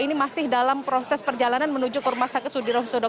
ini masih dalam proses perjalanan menuju ke rumah sakit sudirohusodo